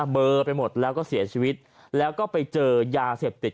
เบอร์ไปหมดแล้วก็เสียชีวิตแล้วก็ไปเจอยาเสพติด